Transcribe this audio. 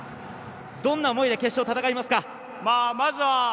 どんな思いで決勝を戦いますか？